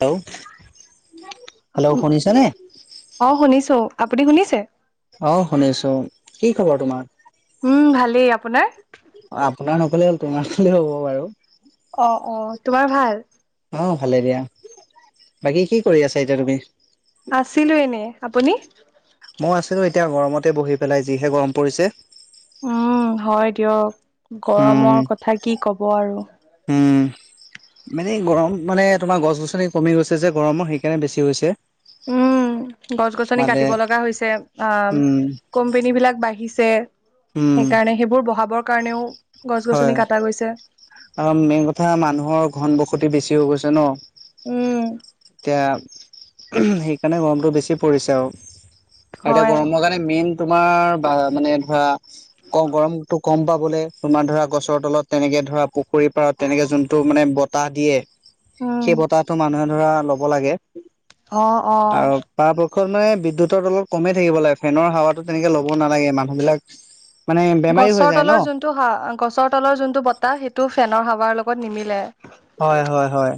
Hello- hello শুনিছানে? অ শুনিছো আপুনি শুনিছে? অ শুনিছো কি খবৰ তোমাৰ? উম ভালেই আপোনাৰ? আপোনাৰ নকলে হ'ল তোমাৰ ফালে হ'ব বাৰু- অ অ তোমাৰ ভাল? অ ভালে দিয়া বাকি কি কৰি আছা এতিয়া তুমি? আছিলো এনেই আপুনি? মই আছিলো এতিয়া গৰমতে বহি পেলাই যিহে গৰম পৰিছে- উম হয় দিয়ক উম গৰমৰ কথা কি কব আৰু! উম- মানে গৰম মানে তোমাৰ গছ গছনি কমি গৈছে যে গৰমৰ সেইকাৰণে বেছি হৈছে। উম উ গছ গছনি মানে কাটিব লগা হৈছে আ উম কোম্পেনী বিলাক বাঢ়িছে, উম সেইকাৰণে সেইবোৰ বহাবৰ কাৰণেও। গছ গছনি হয় কটা গৈছে আৰু মেইন কথা মানুহৰ ঘন বসতি বেছি হৈ গৈছে ন। উম। এতিয়া সেইকাৰণে গৰমটো বেছি পৰিছে আওঁ। আওঁ এতিয়া হয় গৰমৰ কাৰণে মেইন তোমাৰ বা মানে ধৰা ক গৰমতটো কম পাবলে, তোমাৰ ধৰা গছৰ তলত তেনেকে ধৰা পুখুৰীৰ পাৰত তেনেকে যোনটো মানে বতাহ দিয়ে উম সেই বতাহটো মানুহে ধৰা ল'ব লাগে। আহ আহ। আৰু পৰাপক্ষত মানে বিদ্যুতত অলপ কমেই থাকিব লাগে ফেনৰ হাৱাটো তেনেকে ল'ব নালাগে মানুহবিলাক গছৰ তলৰ যোনটো হ গছৰ তলৰ যোনটো বতাহ সেইটো ফেনৰ হাৱাৰ লগত নিমিলে। হয় হয় হয়।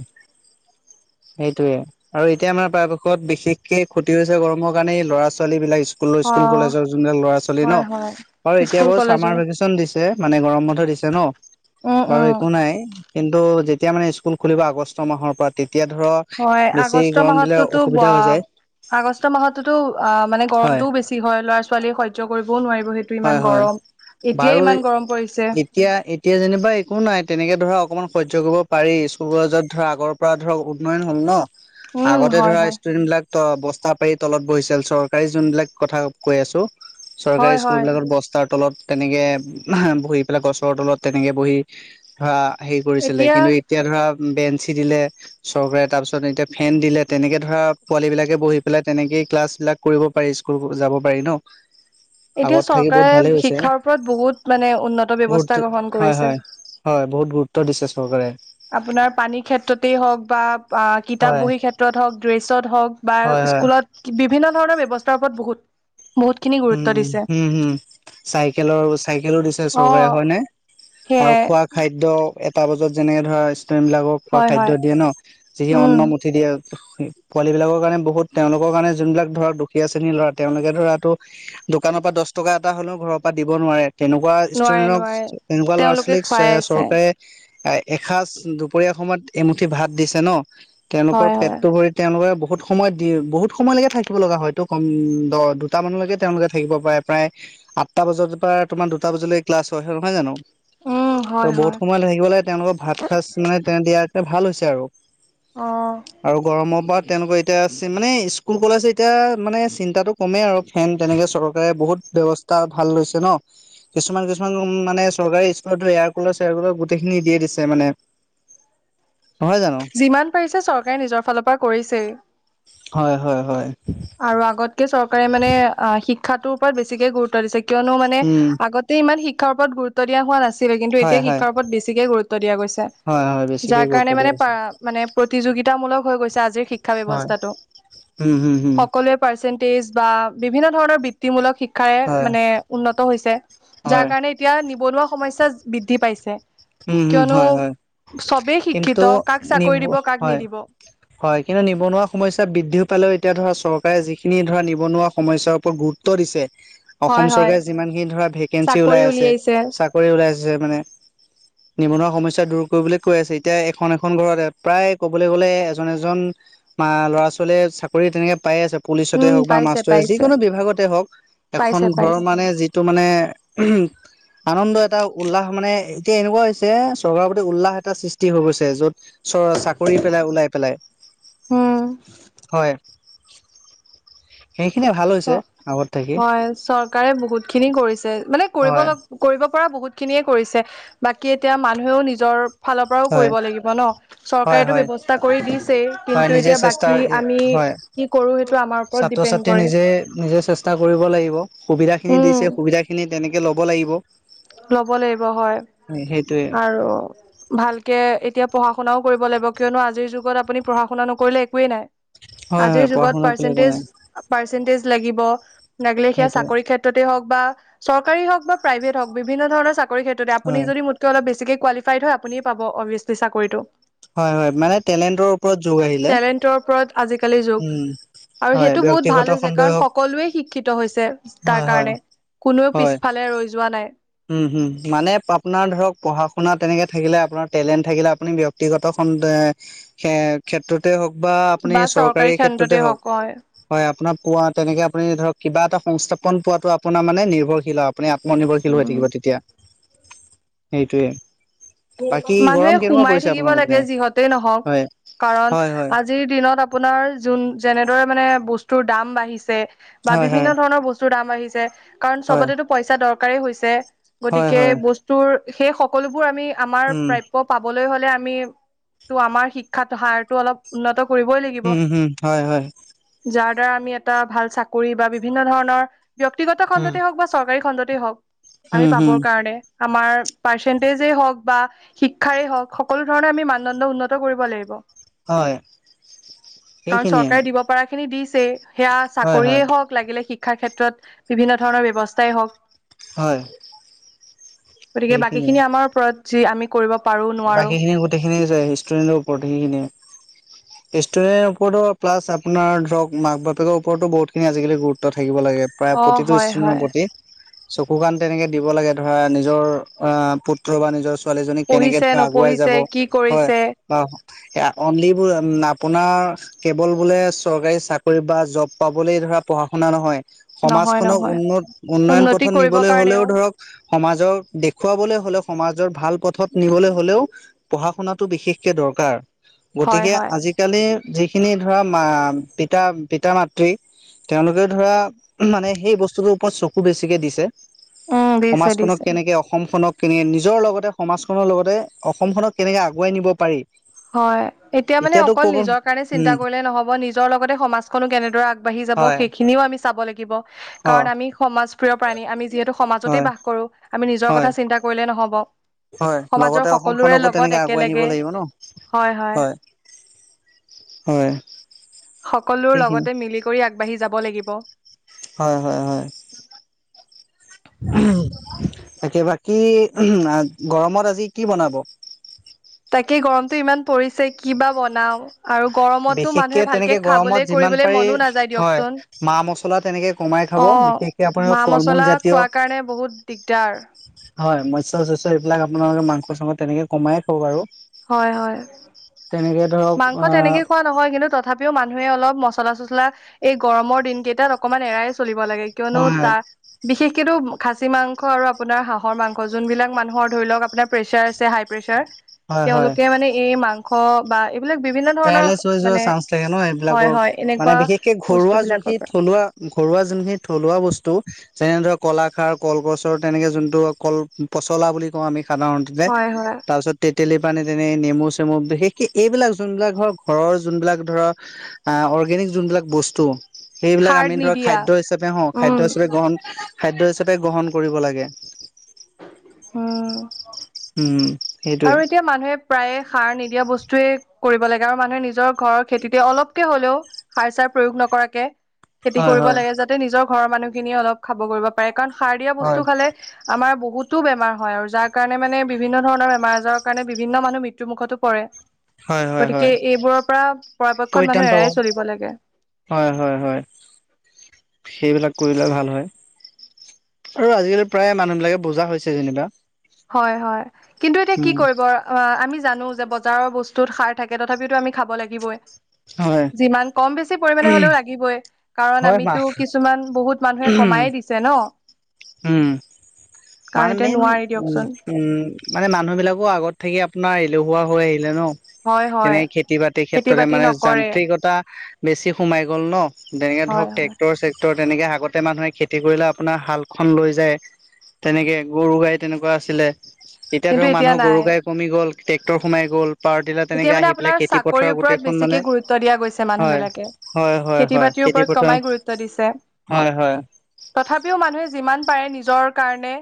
সেইটোয়ে। আৰু এতিয়া আমাৰ পৰা পক্ষত বিশেষকে ক্ষতি হৈছে গৰমৰ কাৰণেই ল'ৰা ছোৱালী বিলাক স্কু ল অ স্কুল কলেজৰ যোনবিলাক ল'ৰা ছোৱালী ন হয় হয় বাৰু এতিয়া স্কুল বাৰু চামাৰ কলেজৰ ভেকেশচন দিছে মানে গৰম বন্ধ দিছে ন, উম বাৰু উম একো নাই কিন্তু যেতিয়া মানে স্কুল খুলিব আগষ্ট মাহৰ পৰা তেত হয় আগষ্ট মাহতোতো অসুবিধা হৈ বোৱা যায় আগষ্ট মাহততো অ মানে হয় গৰমতটোও বেছি হয় ল'ৰা ছোৱালীয়ে সহ্য কৰিবও নোৱাৰিব সেইটো ইমান হয় গৰম এতিয়াই বাৰু ইমান গৰম পৰি এতিয়া এতিয়া যেনিবা একো নাই তেনেকে ধৰা অকমান সহ্য কৰিব পাৰি স্কুল কলেজত ধৰা আগৰ পৰা ধৰক উন্নয়ন হ'ল ন উম আগতে হয় ধৰা হয় ষ্টুডেন্ট বিলাক ত বস্তা পাৰি তলত বহিছিল চৰকাৰী যোনবিলাক কথা কৈ আছো চৰকাৰী হয় ব হয় বিলাকত বস্তাৰ তলত তেনেকে বহি পেলাই গছৰ তলত তেনেকে বহি ধৰা হেৰি কৰিছিলে কিন্তু এতিয়া ধৰা বেঞ্চি দিলে চৰকাৰে তাৰ পিছত এতিয়া ফেন দিলে তেনেকে ধৰা পোৱালী বিলাকে বহি পেলাই তেনেকে ক্লাছ বিলাক কৰিব পাৰি স্কুল যাব পাৰি ন। এতিয়া আগত থাকি বহুত ভালেই চৰকাৰে হৈছে শিক্ষাৰ ওপৰত বহুত মানে উন্নত ব্যৱস্থা গুৰুত্ব গ্ৰহণ হয় কৰিছে। হয় হয় বহুত গুৰুত্ব দিছে। চৰকাৰে আপোনাৰ পানীৰ ক্ষেত্ৰতেই হওঁক বা কিতাপ হয় বহী ক্ষেত্ৰত হওঁক ড্ৰেছত হওঁক বা হয় হয় স্কুলত বিভিন্ন ধৰণৰ ব্যৱস্থাৰ ওপৰত বহুত। বহুতখিনি গুৰুত্ব উম দিছে হম হম চাইকেলৰ চাইকেলো দিছে অ চৰকাৰে হয়নে। সেয়াই আৰু খোৱা খাদ্য এটা বজাত যেনেকে ধৰা ষ্টুডেণ্ট বিলাকক খোৱা হয় খাদ্য হয় দিয়ে ন যি সি অন্ন‌ উম মুঠি দিয়ে পোৱালী বিলাকৰ কাৰণে বহুত তেওঁলোকৰ কাৰণে যোনবিলাক ধৰক দুখীয়া শ্ৰেণীৰ ল'ৰা তেওঁলোকে ধৰাটো দোকানৰ পৰা দছ টকা এটা হলেও ঘৰৰ পৰা দিব নোৱাৰে তেনেকুৱা নোৱাৰে ষ্টুডেণ্টক নোৱাৰে তেনেকুৱা ল'ৰা তেওঁলোকে ছোৱালীক খুৱাই আছে চৰকাৰে এ এসাঁজ দুপৰীয়া সময়ত এমুঠি ভাত দিছে ন তেওঁলোকৰ হয় হয় পেটটো ভৰি তেওঁলোকে বহুত সময় দি বহুত সময়লৈকে থাকিব লগা হয় ত কম দ দুটা মানলৈকে তেওঁলোকে থাকিব পাৰে। প্ৰায় আঠটা বজাৰ পৰা তোমাৰ দুটা বজালৈ ক্লাছ হয় নহয় জানো? উম হয় ত' বহুত হয় সময় থাকিব লাগে তেওঁলোকক ভাত সাঁজ মানে তে দিয়াত ভাল হৈছে আৰু। অ আৰু গৰমৰ পাত তেওঁলোকৰ এতিয়া মানে স্কুল কলেজ এতিয়া মানে চিন্তাটো কমেই আৰু। ফেন তেনেকে চৰকাৰে বহুত ব্যৱস্থা ভাল লৈছে ন। কিছুমান কিছুমান মানে চৰকাৰী স্কুলতো এয়াৰকুলাৰ চেয়াৰ কুলাৰ গোটেইখিনি দিয়ে দিছে মানে। [inaudible] নহয় জানো? যিমান পাৰিছে চৰকাৰে নিজৰ ফালৰ পৰা কৰিছেই। হয় হয় হয়। আৰু আগতকে চৰকাৰে মানে শিক্ষাটোৰ ওপৰত বেছিকে গুৰুত্ব দিছে। কিয়নো মানে উম আগতে ইমান শিক্ষাৰ ওপৰত গুৰুত্ব দিয়া হোৱা নাছিলে কিন্তু হয় এতিয়া হয় শিক্ষাৰ ওপৰত বেছিকে গুৰুত্ব দিয়া গৈছে হয় হয় বেছিকে যাৰ গুৰুত্ব কাৰণে দিয়া মানে পা হৈছে মানে প্ৰ প্ৰতিযোগিতা মূলক হৈ গৈছে আজি শিক্ষা হয় ব্যৱস্থাটো উম হম হম সকলোৰে। তেজ বা বিভিন্ন ধৰণৰ বৃত্তিমূলক শিক্ষাৰে হয় মানে উন্নত হৈছে। যাৰ হয় কাৰণে এতিয়া নিবনুৱা সমস্যা বৃদ্ধি পাইছে। উম হম কিয়নো হয় হয় চবেই শিক্ষিত কিন্তু কাক নি চাকৰি দিব কাক হয়। নিদিব। হয় কিন্তু নিবনুৱা সমস্যা বৃদ্ধিও পালেও এতিয়া ধৰা চৰ প্ৰায় যিখিনি ধৰা নিবনুৱা সমস্যাৰ ওপৰত গুৰুত্ব দিছে অসম হয় হয় চৰকাৰে যিমানখিনি ধৰা ভেকেঞ্চি চাকৰি ওলাই আছে উলিয়াইছে চাকৰি ওলাই আছে মানে নিবনুৱা সমস্যা দূৰ কৰিবলৈ কৈ আছে এতিয়া এখন এখন ঘৰত প্ৰায় ক'বলৈ গলে এজন এজন বা ল'ৰা ছোৱালীয়ে চাকৰি তেনেকে পাই আছে পুলিচতে উম হওক বা পাইছে মাষ্টৰে পাইছে যিকোনো বিভাগতে হওক এখন পাইছে ঘৰৰ পাইছে মানে যিটো মানে উম আনন্দ এটা উল্লাহ মানে এতিয়া এনেকুৱা চৰকাৰৰ প্ৰতি উল্লাহ এটা সৃষ্টি হৈ গৈছে য'ত চ চাকৰি পেলাই ওলাই পেলাই উম হয় সেইখিনি ভাল চ হৈছে আগত থাকি হয় চৰকাৰে বহুত খিনি কৰিছে মানে কৰিব হয় লগ কৰিব পৰা বহুত খিনিয়ে কৰিছে বাকী এতিয়া মানুহেও নিজৰ ফালৰ পৰাও হয় কৰিব লাগিব ন হয় চৰকাৰেটো হয় ব্যৱস্থা কৰি দি হয় কিন্তু নিজে এতিয়া চেষ্টা বাকী আমি হয় কি কৰো সেইটো আমাৰ ওপৰত ছাত্ৰ ডিপেণ্ড ছাত্ৰীয়ে কৰে নিজে নিজে চেষ্টা কৰিব লাগিব সুবিধাখিনি উম দিছে সুবিধাখিনি তেনেকে ল'ব লাগিব লব লাগিব হয় সেইটোয়ে আৰু ভালকে এতিয়া পঢ়া শুনাও কৰিব লাগিব কিয়নো আজিৰ যুগত আপুনি পঢ়া শুনা নকৰিলে একোৱেই নাই হয় আজিৰ হয় পঢ়া যুগত শুনা কৰিলে একো পাৰ্চেন্টিজ নাই পাৰ্চেন্টিজ লাগিব, লাগিলে সেয়া সেইটোয়ে চাকৰি ক্ষেত্ৰতে হওক বা চৰকাৰী হওক বা প্ৰাইভেট বিভিন্ন ধৰণ চাকৰি ক্ষেত্ৰতে আপুনি হয় যদি মোক অলপ বেছিকে কোৱালিফাইড হয় আপুনি পাব অভিয়চলি চাকৰিটো। হয় হয় মানে টেলেণ্টৰ ওপৰত যোগ আহিলে। আজিকালিৰ যুগ উম আৰু হয় সেইটো বহুত ব্যক্তিগত ভাল হৈছে খণ্ডই কাৰণ হওক সকলোৱে শিক্ষিত হৈছে। তাৰ হয় হয় কাৰণে কোনেও হয় পিছফালে ৰৈ যোৱা নাই। উম হম মানে আপোনাৰ ধৰক পঢ়া শুনা তেনেকে থাকিলে আপোনাৰ টেলেণ্ট থাকিলে আপুনি ব্যয়ক্তিগত,। সেই ক্ষেত্ৰতে হওক। বা আপুনি চৰকাৰী ক্ষেত্ৰতে হওক হয় আপোনাৰ। পোৱা তেনেকে আপুনি ধৰক কিবা এটা সংস্থাপন পোৱাটো আপোনাৰ মানে নিৰ্ভৰশীল আপুনি আত্মনিৰ্ভৰশীল,। খেল উম থাকিবা তেতিয়া সেইটোৱে। মানুহে সোমাই থাকিব আপোনালোকৰ লাগে পিনে যিহতে নহওক। হয় কাৰণ হয় হয় আজিৰ দিনত আপোনাৰ যোন যেনেদৰে মানে। বস্তুৰ দাম বাঢ়িছে বা হয় বিভিন্ন ধৰণৰ বস্তুৰ দাম বাঢিছে কাৰণ হয় চবতেতো পইচা দৰকাৰ। সেনেকাই হৈছে হয় হয় গতিকে হয় বস্তুৰ সেই সকলো বোৰ আমি আমাৰ উম প্ৰাপ্য পাবলৈ,। আমি আমাৰ শিক্ষাত হাৰটো অলপ উন্নত,। কৰিবই লাগিব উম হম হয় হয় যাৰ,। দাৰা আমি এটা ভাল চাকৰি বা বিভিন্ন ধৰণৰ ব্যক্তিগত উম খণ্ডতেই হওঁক বা চৰকাৰী খণ্ডতে হওক,। আমি হম পাব হম কাৰণে আমাৰ পাৰ্চেন্টেজে হওক। বা শিক্ষাৰে হওঁক সকলো ধৰণৰ আমি মানদণ্ড উন্নত কৰিব লাগিব। হয় কাৰণ সেইখিনিয়ে চৰকাৰে দিব পাৰা খিনি দি। সেয়া হয় চাকৰিয়ে হয় হওক লাগিলে শিক্ষাৰ ক্ষেত্ৰত বিভিন্ন ধৰণৰ ব্যয়ৱস্থাই হওক। হয় গতিকে বাকী সেইখিনিয়ে খিনি আমাৰ ওপৰত। যি আমি কৰিব পাৰো নোৱাৰো। সেইখিনিয়ে য ষ্টুডেণ্টৰ ওপৰত সেইখিনিয়ে। ষ্টুডেণ্টৰ ওপৰতো প্লাছ আপোনাৰ ধৰক মাক বাপেকৰ ওপৰতো বহুত খিনি আজিকালি গুৰুত্ব থাকিব। থাকিব লাগে প্ৰায় অ প্ৰতিটো হয় ষ্ট্ৰেণৰ হয় প্ৰতি। চকু কাণ তেনেকে দিব লাগে ধৰা নিজৰ অ পুত্ৰ বা নিজৰ ছোৱালী। কেনেকে পঢ়িছে ধৰা আগুৱাই যাব নপঢ়িছে কি হয় কৰিছে বা। এ অনলি বো আপোনাৰ কেৱল বোলে চৰকাৰী চাকৰি বা জব পাবলে। ধৰা পঢ়া শুনা নহয় নহয় সমাজখনক নহয় উন্নত উন্নয়ন উন্নতি পথত কৰিবৰ নিবলৈ হলেও কাৰণেও ধৰক সমাজক দেখুৱাবলৈ হলেও সমাজৰ ভাল পথত নিবলৈ হলেও পঢ়া শুনাটো বিশেষকে দৰকাৰ হয় গতিকে হয় আজিকালি যিখিনি ধৰা পিতা পিতা মাতৃ তেওঁলোকে ধৰা মানে সেই বস্তুতৰ ওপৰত চকু বেছিকে দিছে। উম দিছে সমাজখনক দিছে কেনেকে অসমখনক কেনে নিজৰ লগতে সমাজ। নৰ লগতে অসমখনক কেনেকে আগুৱাই নিব পাৰি। হয় এতিয়া মানে এতিয়াতো অকল ক'ব নিজৰ কাৰণে চিন্তা উম কৰিলে নহব নিজৰ লগতে সমাজখনো কেনেদৰে আগবাঢ়ি। হয় সেইখিনিও আমি চাব লাগিব। অ কাৰণ আমি সমাজপ্ৰিয় প্ৰাণী আমি যিহেতু সমাজতেই হয় বাস কৰো আমি নিজৰ হয় কথা চিন্তা কৰিলে নহব। হয় সমাজৰ লগতে সকলোৰে অসমখনকো লগত তেনেকে আগুৱাই নিব একেলগে লাগিব ন। হয় হয়। সকলো সেইখিনি লগতে মিলি কৰি আগবাঢ়ি যাব লাগিব। হয় হয় হয়। তাকে বাকী গৰমত আজি কি বনাব। তাকে গৰমতটো ইমান পৰিছে ক বা বনাও। আৰু গৰমতটো বিশেষকে মানুহে ভালকে তেনেকে গৰমত খাবলৈ যিমান কৰিবলৈ পাৰি মনো নাযায় হয় দিয়কচোন। মা মছলা তেনেকে কমাই খাব অ বিশেষকে আপোনাৰ মা ফল মূল মছলা জাতীয় খোৱাৰ কাৰণে বহুত দিগদাৰ। হয় মৎস্ৰ শস্য় এইবিলাক আপোনালোকে মাংস চাংস তেনেকে কমাই খক বাৰ। হয় হয়। তেনেকৈ ধৰক। মাংস তেনেকে খোৱা নহয় কিন্তু তথাপিও মানুহে অলপ মছলা চচলা এই গৰমৰ দিন কেইটাত অকমান এৰাই। চলিব লাগে কিয়নো হয় তাৰ বিশেষকেটো খাচী মাংস আৰু আপোনাৰ হাঁহৰ মাংস যোনবিলাক মানুহৰ ধৰি লওক আপোনাৰ প্ৰেছাৰ আছে হাই প্ৰেছাৰ হয় হয় তেওঁলোকে মানে এই মাংস বা এইবিলাক বিভিন্ন ধৰণৰ পেৰালাইচ হৈ মানে যোৱা চান্স থাগে ন হয় এইবিলাকৰ হয় মানে এনেকুৱা বিশেষকে বস্তু ঘৰুৱা বিলাকৰ যোনখিনি পৰা থলুৱা ঘৰুৱা যোনখিনি থলুৱা বস্তু যেনে ধৰ কলাখাৰ কলগছৰ তেনেকে যোনটো কল পচলা বুলি কওঁ আমি সাধাৰণতেতে হয় হয় তাৰ পিছত তেতেলীৰ পানী তেনে নেমু চেমু বিশেষকে এইবিলাক যোনবিলাক ধৰক ঘৰৰ যোনবিলাক ধৰ অৰ্গেনিক যোনবিলাক বস্তু সেইবিলাক সাৰ আমি ধৰক নিদিয়া খাদ্য হিচাপে হ উম খাদ্য হিচাপে গ্ৰহণ খাদ্য হিচাপে গ্ৰহণ কৰিব লাগে। উম উম সেইটোৱে আৰু এতিয়া মানুহে প্ৰায়ে সাৰ নিদিয়া বস্তু কৰিব লাগে আৰু মানুহে নিজৰ ঘৰৰ খেতিতে অলপকে হ'লেও সাৰ চাৰ প্ৰয়োগ নকৰাকে খেতি হয় কৰিব হয় লাগে যাতে নিজৰ ঘৰৰ মানুহ খিনিয়ে অলপ খাব কৰিব পাৰে কাৰণ সাৰ দিয়া বস্তু হয় খালে আমাৰ বহুত টো বেমাৰ হয় আৰু যাৰ কাৰণে মানে বিভিন্ন ধৰণৰ বেমাৰ আজাৰৰ কাৰণে বিভিন্ন মানুহ মৃত্যু মুুখতো পৰে হয় হয় হয় গতিকে এইবোৰৰ পৰা পৰাপক্ষত পৰিত্ৰাণ মানুহ পাব এৰাই চলিব লাগে হয় হয় হয় সেইবিলাক কৰিলে ভাল আৰু আজিকালি প্ৰায় মানুহ বিলাকে বুজা হৈছে যেনিবা। হয় হয় কিন্তু এতিয়া কি উম, কৰিব আমি জানো যে বজাৰৰ বস্তুত সাৰ থাকে তথাপিতো আমি খাব লাগিবই হয়। যিমান কম বেছি পৰিমানে হলেও লাগিবই কাৰণ হয় আমিতো মাহ কিছুমান বহুত মানুহে কমাইয়ে দিছে ন উম কাৰণ এতিয়া নোৱাৰি দিয়ক উ উম মানে মানুহ বিলাকো আগত থাকি আপোনাৰ আহ এলেহুৱা হৈ আহিলে ন হয় হয় তেনেক খেতি বাতিৰ খেতি ক্ষেত্ৰতে বাতি মানে নকৰে যান্ত্ৰিকতা বেছি সোমাই গ'ল ন তেনেকে হয় ধৰক হয় টেক্টৰ চেক্টৰ তেনেকে আগতে মানুহে খেতি কৰিলে আপোনাৰ হালখন লৈ যায় তেনেকে গৰু গাই তেনেকুৱা আছিলে এতিয়া কিন্তু ধৰক এতিয়া মানুহৰ গৰু নাই গাই কমি গ'ল ট্ৰেক্টৰ সোমাই গ'ল পাৱাৰ টিলাৰ এতিয়া তেনেকে মানে আহি পেলাই আপোনাৰ খেতি পথাৰৰ চাকৰিৰ ওপৰত গোটেইখন বেছিকে মানে গুৰুত্ব দিয়া গৈছে মানুহ হয় বিলাকে হয় হয় হয় বাতিৰ খেতি ওপৰত পথাৰ কমাই গুৰুত্ব দিছে হয় হয় তথাপিও মানুহে যিমান পাৰে নিজৰ কাৰণে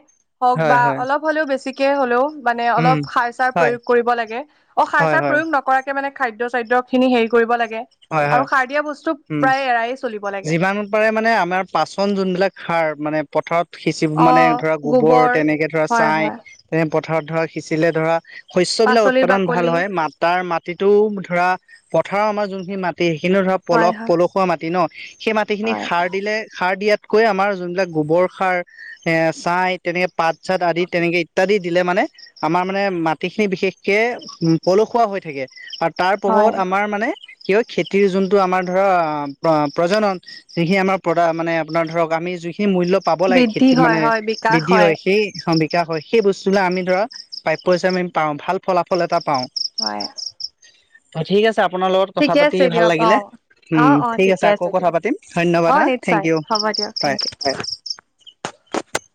হওক হয়, বা হয়, অলপ হলেও বেছিকে হলেও মানে উম, অলপ সাৰ চাৰ হয়, প্ৰয়োগ কৰিব লাগে অ সাৰ হয়, চাৰ হয়, প্ৰয়োগ নকৰাকে মানে খাদ্য চাদ্য খিনি হেৰি কৰিব লাগে হয়, হয়, আৰু সাৰ দিয়া বস্তু উম। প্ৰায়ে যিমান পাৰে মানে আমাৰ পাচন যোনবিলাক সাৰ মানে পথাৰত সিঁচি অ মানে ধৰা গোবৰ তেনেকে ধৰা হয় ছাই হয় তেনে পথাৰত ধৰা সিঁচিলে ধৰা সৈশ্য বিলাক পাচলিৰ উৎপাদন বাকলি ভাল হয় ম তাৰ মাটিতো ধৰা পথাৰৰ আমাৰ যোনখিনি মাটি মাটি সেইখিনিও ধৰা হয় পলস হয় পলসুৱা মাটি ন সেই মাটিখিনি হয় সাৰ দিলে সাৰ দিয়াত তাতকৈ আমাৰ যোনবিলাক গোবৰ সাৰ এ ছাই তেনেকে পাত চাত আদি তেনেকে ইত্যাদিত দিলে মানে আমাৰ মানে মাটি খিনি বিশেষকে পলসুৱা হৈ থাকে তাৰ হয় প্ৰভাৱত আমাৰ মানে স হয় খেতিৰ যোনটো আমাৰ ধৰা প্ৰজনন যিখিনি আমাৰ মানে আপোনাৰ ধৰক আমি যি- খিনি মূল্য পাব লাগে বৃদ্ধি খেতি হয় মানে হয় বিকাশ বৃদ্ধি হয় সেই জাকৈ সেই বস্তুবিলাক আমি ধৰা প্ৰাপ্য হিচাপে আমি পাওঁ ভাল ফলাফল এটা পাওঁ হয় হয় ঠিক আছে আপোনাৰ লগত কথা ঠিকে পাতি আছে ভাল দিয়ক অ লাগিলে অ অ ঠিক আছে ঠিকে আকৌ কথা দিয়ক পাতিম ধন্যবাদ অ হা থেংক নিশ্চয় ইউ হ'ব দিয়ক হয় থেংক ইউ [unintelligible]